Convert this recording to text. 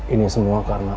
ini semua karena